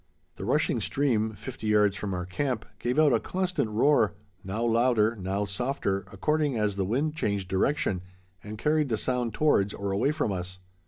The rushing stream, fifty yards from our camp, gave out a constant roar, now louder, now softer, according as the wind changed direction and carried the sound towards or away from us.